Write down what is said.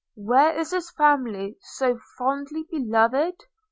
where is this family so fondly beloved?